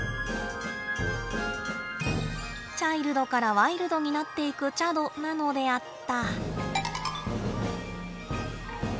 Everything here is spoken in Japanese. チャイルドからワイルドになっていくチャドなのであった。